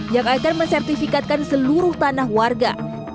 yang akan mensertifikatkan seluruh tanah warga